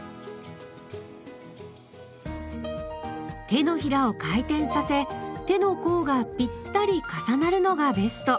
手のひらを回転させ手の甲がぴったり重なるのがベスト。